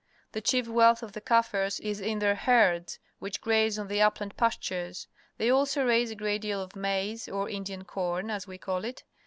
The chief wealth of the Kaffirs is in their herds, which graze on the upland pastures. They also raise a great deal of maize, or Indian corn, as we call it.